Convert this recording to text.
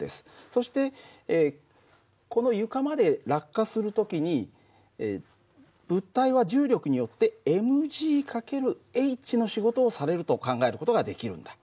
そしてこの床まで落下する時に物体は重力によってｍ×ｈの仕事をされると考える事ができるんだ。